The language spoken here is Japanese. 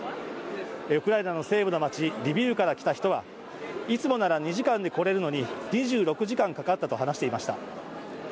ウクライナの西部の町リビウから来た人はいつもなら２時間で来れるのに２６時間かかったと話していました。